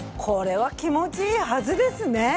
これは気持ちいいはずですね。